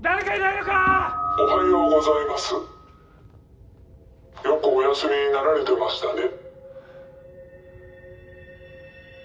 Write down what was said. ヨクお休みになられてまシタね。